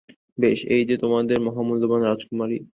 বেশ, এই যে তোমাদের মহামূল্যবান রাজকুমারী।